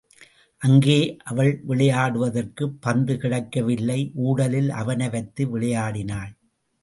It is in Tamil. அங்கே அவள் விளையாடுவதற்குப் பந்து கிடைக்க வில்லை ஊடலில் அவனை வைத்து விளையாடினாள்.